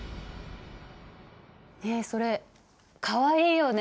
ねえそれかわいいよね。